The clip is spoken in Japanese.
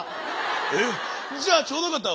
えっじゃあちょうどよかった。